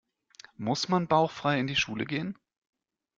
Muss man bauchfrei in die Schule gehen?